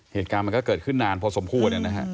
เหตุการณ์มันก็เกิดขึ้นนานพอสมควรนะฮะ